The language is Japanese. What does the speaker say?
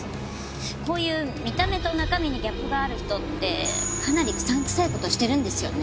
こういう見た目と中身にギャップがある人ってかなり胡散臭い事してるんですよね。